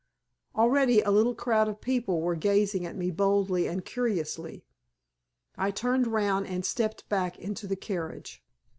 Already a little crowd of people were gazing at me boldly and curiously. I turned round and stepped back into the carriage.